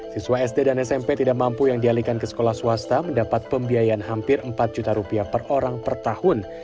siswa sd dan smp tidak mampu yang dialihkan ke sekolah swasta mendapat pembiayaan hampir empat juta rupiah per orang per tahun